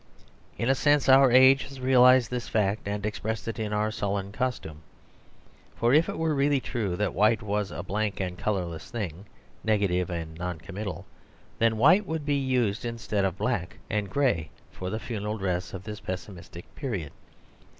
In a sense our age has realised this fact, and expressed it in our sullen costume. For if it were really true that white was a blank and colourless thing, negative and non committal, then white would be used instead of black and grey for the funeral dress of this pessimistic period.